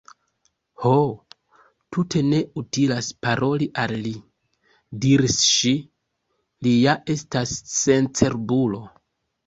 "Ho, tute ne utilas paroli al li," diris ŝi, "li ja estas sencerbulo.